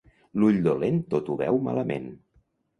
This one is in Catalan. L'ull dolent tot ho veu malament.